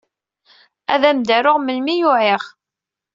Ad am-d-aruɣ melmi ay uɛiɣ.